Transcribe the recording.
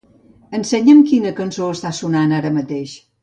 Ensenya'm quina cançó està sonant ara mateix.